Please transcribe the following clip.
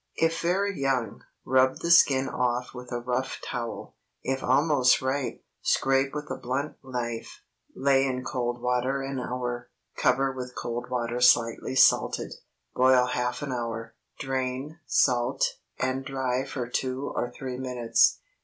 If very young, rub the skin off with a rough towel. If almost ripe, scrape with a blunt knife. Lay in cold water an hour, cover with cold water slightly salted, boil half an hour. Drain, salt, and dry for two or three minutes.